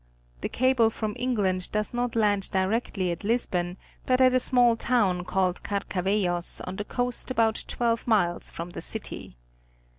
The cable from England does not land directly at Lisbon, but at a small town called Carcavellos on the coast about twelve miles from the city.